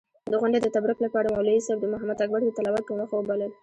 د غونډې د تبرک لپاره مولوي صېب محمداکبر د تلاوت پۀ موخه وبلل شو.